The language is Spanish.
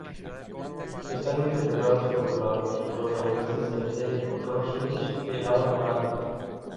Están interpretadas por los protagonistas de la serie, Ross Lynch y Laura Marano.